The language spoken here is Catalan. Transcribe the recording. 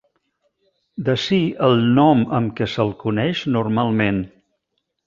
D'ací el nom amb què se'l coneix normalment.